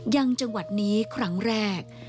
ยังจังหวัดนี้ครั้งแรก